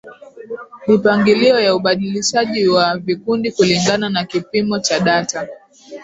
mipangilio ya ubadilishaji wa vikundi kulingana na kipimo cha data